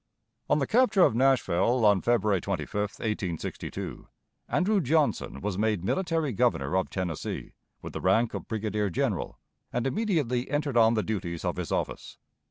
On the capture of Nashville, on February 25, 1862, Andrew Johnson was made military Governor of Tennessee, with the rank of brigadier general, and immediately entered on the duties of his office.